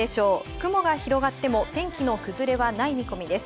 雲が広がっても天気の崩れはない見込みです。